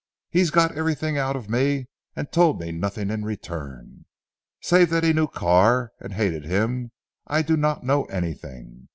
He got everything out of me and told me nothing in return. Save that he knew Carr and hated him I do not know anything.